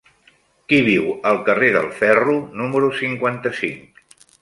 Qui viu al carrer del Ferro número cinquanta-cinc?